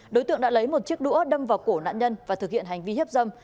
đối tượng đã lấy một chiếc đũa đâm vào cổ nạn nhân và thực hiện hành vi hiếp dâm